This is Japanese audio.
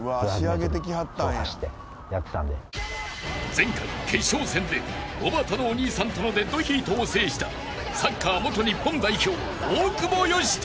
［前回決勝戦でおばたのお兄さんとのデッドヒートを制したサッカー元日本代表大久保嘉人］